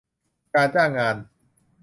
การจ้างงาน